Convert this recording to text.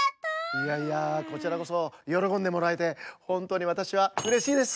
いやいやこちらこそよろこんでもらえてほんとうにわたしはうれしいです！